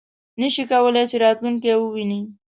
نه شي کولای چې راتلونکی وویني .